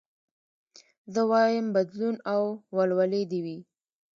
زه وايم بدلون او ولولې دي وي